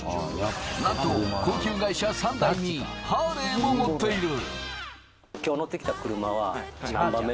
なんと、高級外車３台にハーレーも持っている。